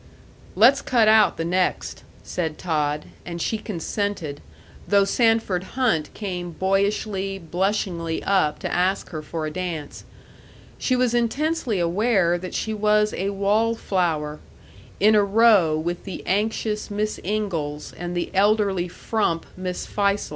"Let's cut out the next," said Todd, and she consented, though Sanford Hunt came boyishly, blushingly up to ask her for a dance.... She was intensely aware that she was a wall flower, in a row with the anxious Miss Ingalls and the elderly frump, Miss Fisle.